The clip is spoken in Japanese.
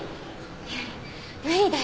いや無理だよ。